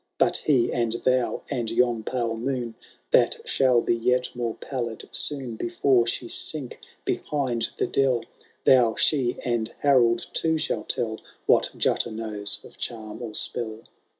But he, and thou, and yon pale moon, (That shall be yet more pallid soon. Before she sink behind the dell,) Thou, she, and Harold too, shall tell What Jutta knows of charm or spell."